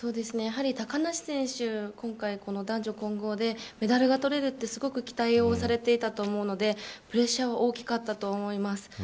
高梨選手、今回、男女混合でメダルが取れるって期待をされていたと思うのでプレッシャーは大きかったと思います。